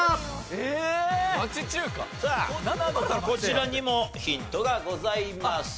さあこちらにもヒントがございます。